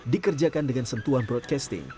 dikerjakan dengan sentuhan broadcasting